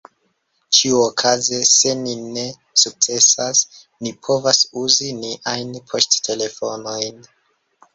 Ĉiuokaze, se ni ne sukcesas, ni povos uzi niajn poŝtelefonojn.